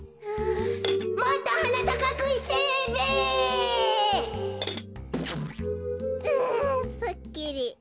うんすっきり。